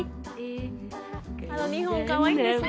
あの２本かわいいんですよね。